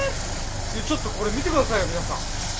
ちょっとこれ見て下さいよ皆さん。